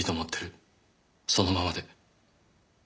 そのままで。